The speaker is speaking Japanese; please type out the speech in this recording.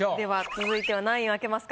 続いては何位を開けますか？